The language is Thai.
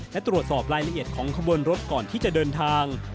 และตรวจสอบรายละเอียดของขบวนรถก่อนที่จะเดินทาง